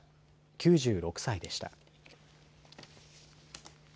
９６歳でした。